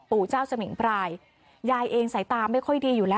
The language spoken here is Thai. เจ้าสมิงพรายยายเองสายตาไม่ค่อยดีอยู่แล้ว